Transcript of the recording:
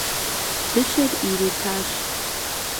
Дыщэр иритащ.